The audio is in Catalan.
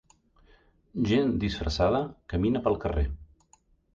Gent disfressada camina pel carrer.